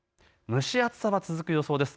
蒸し暑さは続く予想です。